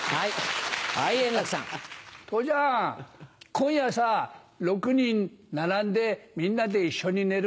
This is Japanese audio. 今夜さ６人並んでみんなで一緒に寝るんだろ？